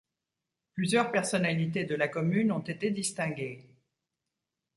Plusieurs personnalités de la commune ont été distinguées.